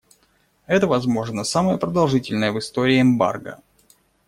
Это, возможно, самое продолжительное в истории эмбарго.